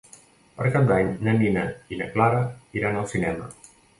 Per Cap d'Any na Nina i na Clara iran al cinema.